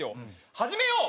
始めよう！